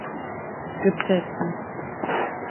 Gıpta ettim.